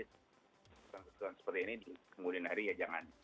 persoalan seperti ini di kemudian hari ya jangan